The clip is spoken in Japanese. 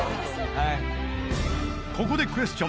ここでクエスチョン！